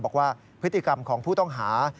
บอกว่าพฤติกรรมของผู้ต้องหา